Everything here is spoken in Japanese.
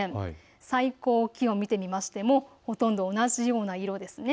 最高気温見てみましてもほとんど同じような色ですね。